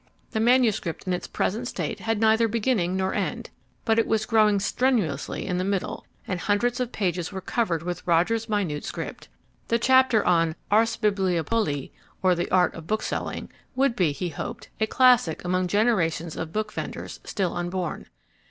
The manuscript in its present state had neither beginning nor end, but it was growing strenuously in the middle, and hundreds of pages were covered with Roger's minute script. The chapter on "Ars Bibliopolae," or the art of bookselling, would be, he hoped, a classic among generations of book vendors still unborn.